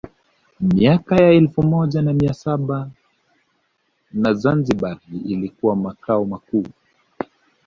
Miaka ya elfu moja na mia saba na Zanzibar ilikuwa Makao makuu